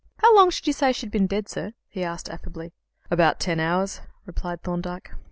"How long should you say she'd been dead, sir?" he asked affably. "About ten hours," replied Thorndyke.